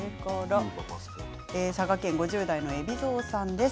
佐賀県５０代の方です。